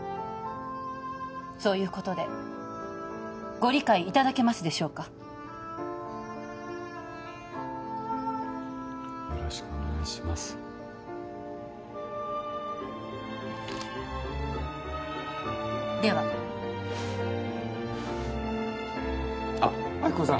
そういうことでご理解いただけますでしょうかよろしくお願いしますではあっ亜希子さん